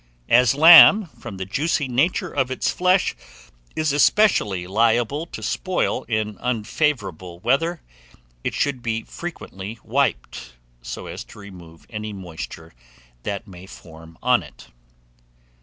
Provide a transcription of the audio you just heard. As lamb, from the juicy nature of its flesh, is especially liable to spoil in unfavourable weather, it should be frequently wiped, so as to remove any moisture that may form on it.